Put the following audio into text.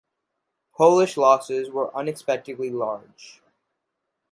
Polish losses were unexpectedly large.